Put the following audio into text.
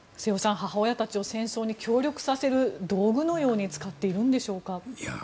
母親たちを戦争に協力させる道具のように使っているんでしょうか。